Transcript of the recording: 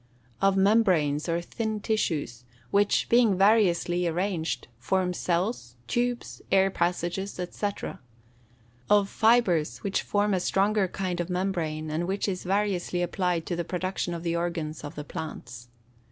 _ Of membranes, or thin tissues, which, being variously arranged, form cells, tubes, air passages, &c. Of fibres, which form a stronger kind of membrane, and which is variously applied to the production of the organs of the plants.